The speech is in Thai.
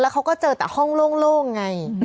เขาก็เจอแต่ห้องโล่งไง